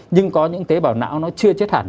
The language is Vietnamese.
nhưng có những tế bào não nó chưa chết hẳn